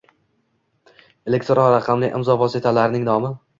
elektron raqamli imzo vositalarining nomi